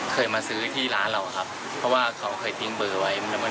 เคยมาซื้อที่ร้านเราบ้างครับเพราะว่าเขาเคยเปิดเอาอยู่ไว้